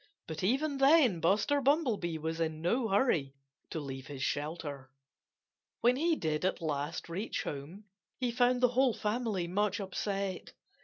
But even then Buster Bumblebee was in no hurry to leave his shelter. When he did at last reach home he found the whole family much upset.